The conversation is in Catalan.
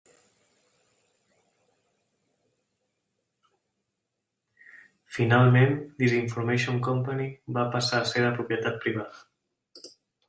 Finalment, Disinformation Company va passar a ser de propietat privada.